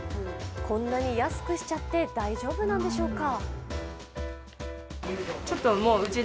こんなに安くしちゃって大丈夫なんでしょうか。